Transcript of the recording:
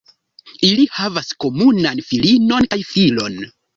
Ili havas komunan filinon kaj filon.